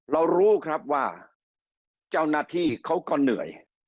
รู้ครับว่าเจ้าหน้าที่เขาก็เหนื่อย